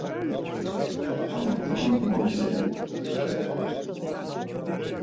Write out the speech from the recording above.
Tamo tamo moviseli.